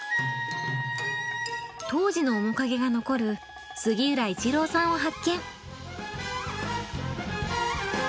当時の面影が残る杉浦一郎さんを発見。